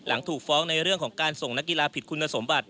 ถูกฟ้องในเรื่องของการส่งนักกีฬาผิดคุณสมบัติ